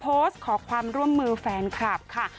โพสต์ขอความร่วมมือแฟนคลับค่ะ